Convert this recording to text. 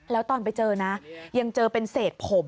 แล้วตอนไปเจอนะยังเจอเป็นเศษผม